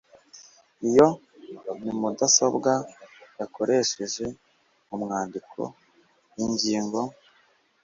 Iyo ni mudasobwa yakoresheje mu kwandika ingingo